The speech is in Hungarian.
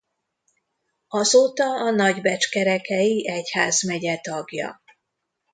Azóta a Nagybecskerekei Egyházmegye tagja.